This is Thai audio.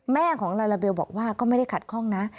แม่ของลาลาเบลบอกว่าก็ไม่ได้ขัดข้องนะ